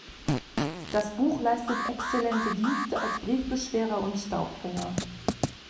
Das Buch leistet exzellente Dienste als Briefbeschwerer und Staubfänger.